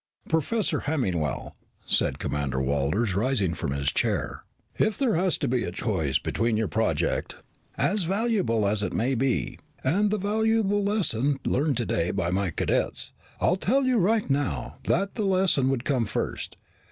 "Professor Hemmingwell," said Commander Walters, rising from his chair, "if there had to be a choice between your project, as valuable as it may be, and the valuable lesson learned today by my cadets, I'll tell you right now that the lesson would come first.